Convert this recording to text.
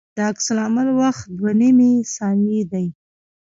د عکس العمل وخت دوه نیمې ثانیې دی